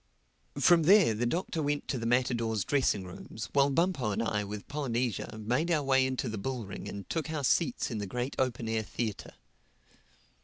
From there the Doctor went to the matadors' dressing rooms while Bumpo and I with Polynesia made our way into the bull ring and took our seats in the great open air theatre.